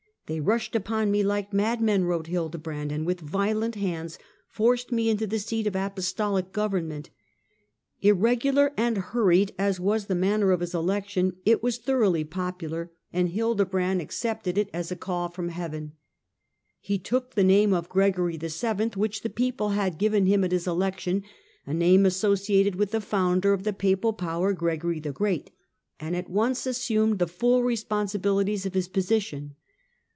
" They rushed upon me like madmen," wrote Hildebrand, " and with violent hands forced me into the seat of apostolic government." Irregular and hurried as was the manner of his election, it was thoroughly popular, and Hildebrand accepted it as THE WAR OF INVESTITURE 77 a call from heaven. He took the name of Gregory VII., which the people had given him at his election, a name associated with the founder of the papal power, Gregory the Great, and at once assumed the full responsibilities of his position.